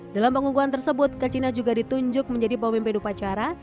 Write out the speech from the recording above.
dalam pengukuhan tersebut kacina juga ditunjuk menjadi pemimpin upacara